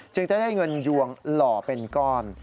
จะได้เงินยวงหล่อเป็นก้อน